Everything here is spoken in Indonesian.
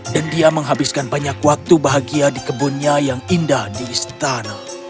dan dia menghabiskan banyak waktu bahagia di kebunnya yang indah di istana